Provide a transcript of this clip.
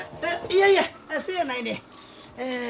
いやいやそやないねん。